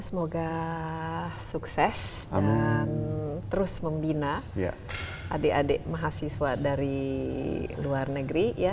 semoga sukses dan terus membina adik adik mahasiswa dari luar negeri